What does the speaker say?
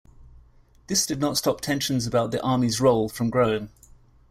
This did not stop tensions about the Army's role from growing.